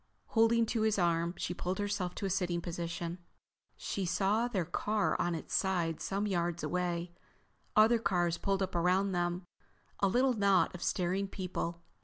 Holding to his arm she pulled herself to a sitting position. She saw their car on its side some yards away, other cars pulled up around them, a little knot of staring people.